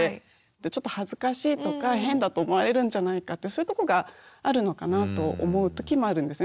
ちょっと恥ずかしいとか変だと思われるんじゃないかってそういうとこがあるのかなと思う時もあるんですね。